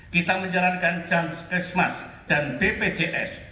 kita menjalankan jansmas dan bpjs